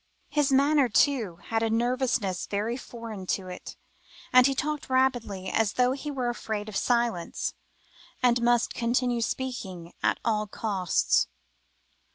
His manner, too, had a nervousness very foreign to it, and he talked rapidly, as though he were afraid of silence, and must continue speaking at all costs.